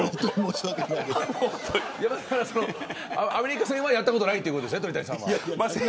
アメリカ戦はやったことはないんですよね、鳥谷さんは。